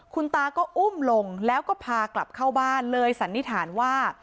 คุณตาก็อุ้มลงแล้วก็พากลับเข้าบ้านเลยสันนิษฐานว่า